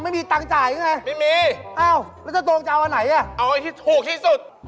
แล้วพอนสามแบบนี้พอนแบบไหนราคาถูกที่สุด